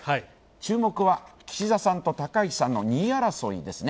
注目は岸田さんと高市さんの２位争いですね。